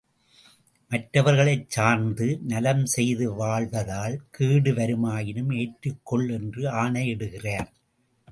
மற்றவர்களைச் சார்ந்து நலம் செய்து வாழ்வதால் கேடுவருமாயினும் ஏற்றுக்கொள் என்று ஆணையிடுகிறார்.